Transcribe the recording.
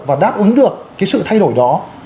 và đáp ứng được cái sự thay đổi đó